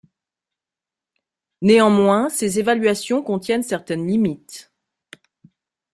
Néanmoins ces évaluations contiennent certaines limites.